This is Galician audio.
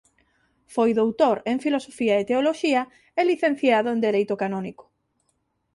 Foi doutor en Filosofía e Teoloxía e Licenciado en Dereito Canónico.